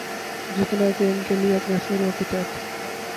جتنا کہ ان کے اپنے اصولوں کے تحت۔